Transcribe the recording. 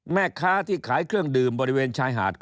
แม่ค้าที่ขายเครื่องดื่มบริเวณชายหาด